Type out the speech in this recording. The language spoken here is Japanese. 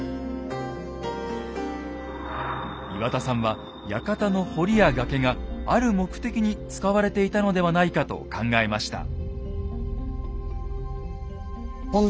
岩田さんは館の堀や崖がある目的に使われていたのではないかと考えました。